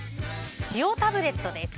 塩タブレットです。